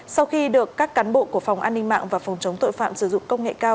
sau khi được các cán bộ của phòng an ninh mạng và phòng chống tội phạm sử dụng công nghệ cao